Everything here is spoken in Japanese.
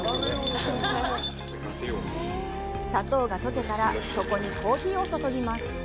砂糖が溶けたら、そこにコーヒーを注ぎます。